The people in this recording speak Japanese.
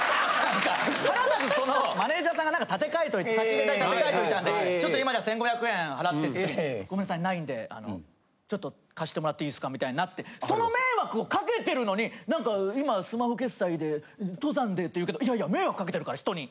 マネジャーさんが何か建て替えといた差し入れ代建て替えといたんでちょっと今１５００円払ってっていう時にごめんなさい無いんでちょっと貸してもらっていいですかみたいになってその迷惑をかけてるのになんか今スマホ決済で登山でって言うけどいやいや迷惑かけてるから人に。